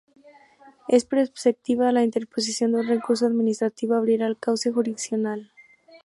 Es preceptiva la interposición de un recurso administrativo para abrir el cauce jurisdiccional.